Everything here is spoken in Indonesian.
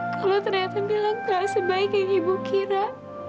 kalau ternyata bilang gak sebaik yang ibu kira